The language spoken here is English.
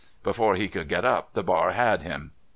Before he could git up the bar had him."